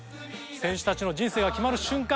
選手達の人生が決まる瞬間